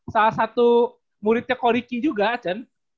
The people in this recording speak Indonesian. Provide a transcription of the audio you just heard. salah satu muridnya ko riki juga achen